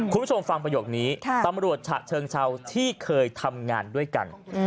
คุณผู้ชมฟังประโยคนี้ตำรวจฉะเชิงเศร้าที่เคยทำงานด้วยกัน